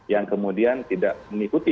yang kemudian tidak mengikuti